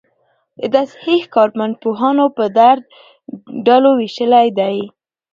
د تصحیح کار متنپوهانو په درو ډلو ویشلی دﺉ.